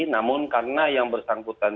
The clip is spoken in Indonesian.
namun karena yang bersangkutan